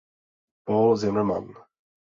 Paul Zimmermann.